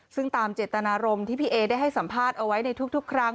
ซึ่งตามเจตนารมณ์ที่พี่เอได้ให้สัมภาษณ์เอาไว้ในทุกครั้ง